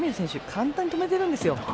簡単に止めてるんですよ。